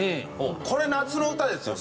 これ夏の歌ですよね？